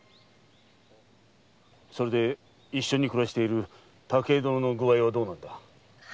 それで一緒に暮らしている武井殿の具合はどうなんだ。